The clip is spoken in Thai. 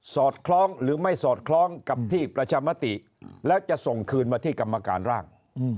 อดคล้องหรือไม่สอดคล้องกับที่ประชามติแล้วจะส่งคืนมาที่กรรมการร่าง